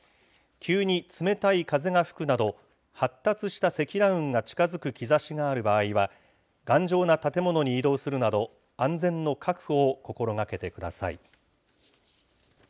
急に冷たい風が吹くなど、発達した積乱雲が近づく兆しがある場合は、頑丈な建物に移動するなど、安全の確保を心がけてください。